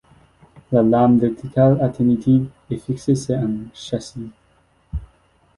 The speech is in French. La lame verticale alternative est fixée sur un châssis.